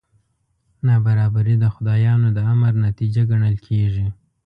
نابرابري د خدایانو د امر نتیجه ګڼل کېږي.